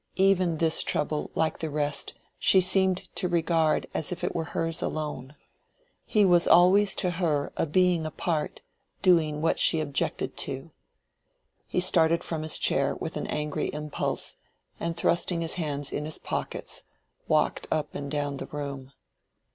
Even this trouble, like the rest, she seemed to regard as if it were hers alone. He was always to her a being apart, doing what she objected to. He started from his chair with an angry impulse, and thrusting his hands in his pockets, walked up and down the room.